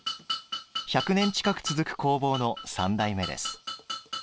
１００年近く続く工房の三代目です。